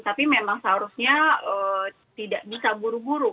tapi memang seharusnya tidak bisa buru buru